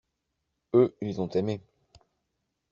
Eux, ils ont aimé.